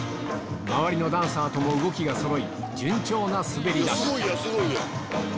周りのダンサーとも動きがそろい順調な滑り出し